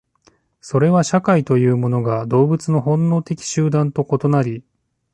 それは社会というものが動物の本能的集団と異なり、